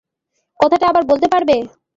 কথাটা আবার বলতে পারবে?